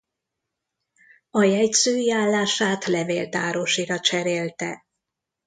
A jegyzői állását levéltárosira cserélte.